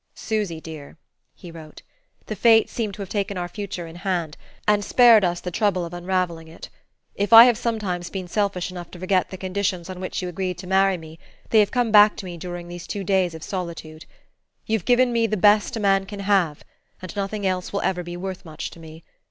"Susy, dear [he wrote], the fates seem to have taken our future in hand, and spared us the trouble of unravelling it. If I have sometimes been selfish enough to forget the conditions on which you agreed to marry me, they have come back to me during these two days of solitude. You've given me the best a man can have, and nothing else will ever be worth much to me.